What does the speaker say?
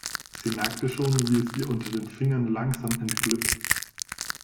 Sie merkte schon, wie es ihr unter den Fingern langsam entglitt.